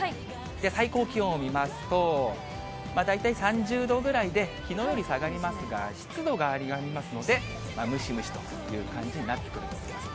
では最高気温を見ますと、大体３０度ぐらいで、きのうより下がりますが、湿度が上がりますので、ムシムシという感じになってくると思います。